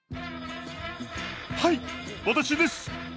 はい私です！